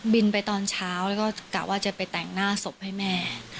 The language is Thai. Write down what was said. ไปตอนเช้าแล้วก็กะว่าจะไปแต่งหน้าศพให้แม่